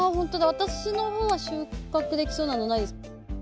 私の方は収穫できそうなのないです。